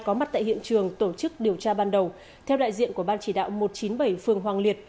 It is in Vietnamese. có mặt tại hiện trường tổ chức điều tra ban đầu theo đại diện của ban chỉ đạo một trăm chín mươi bảy phường hoàng liệt